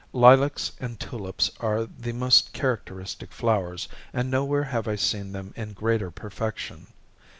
Lilacs and tulips are the most characteristic flowers, and nowhere have I seen them in greater perfection.